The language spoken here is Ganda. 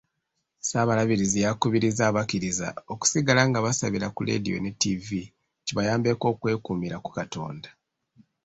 Ssaabalabirizi yakubirizza abakkiriza okusigala nga basabira ku leediyo ne ttivvi kibayambeko okwekuumira ku Katonda.